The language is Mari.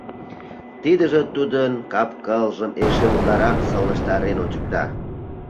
Тидыже тудын кап-кылжым эше утларак сылнештарен ончыкта.